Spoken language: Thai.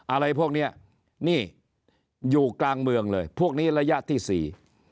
อะไรพวกเนี้ยนี่อยู่กลางเมืองเลยพวกนี้ระยะที่สี่